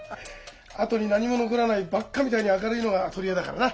後に何も残らないバッカみたいに明るいのが取り柄だからな。